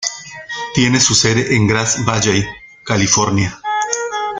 Tiene su sede en Grass Valley, California.